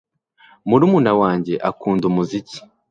murumuna wanjye akunda umuziki